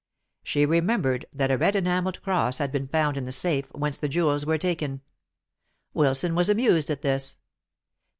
She remembered that a red enamelled cross had been found in the safe whence the jewels were taken. Wilson was amused at this.